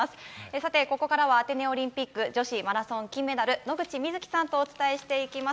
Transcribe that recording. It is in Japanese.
さて、ここからはアテネオリンピック女子マラソン金メダル、野口みずきさんとお伝えしていきます。